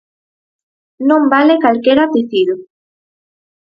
Non vale calquera tecido.